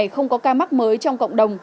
không có ca mắc mới trong cộng đồng